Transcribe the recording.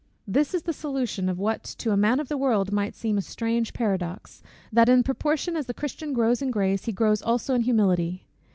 This is the solution of what to a man of the world might seem a strange paradox, that in proportion as the Christian grows in grace, he grows also in humility.